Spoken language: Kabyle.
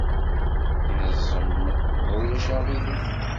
Iẓem, ma ulac aɣilif.